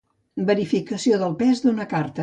Verificació del pes d'una carta.